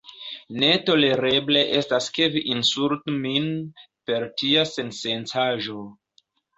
“Ne tolereble estas ke vi insultu min per tia sensencaĵo.”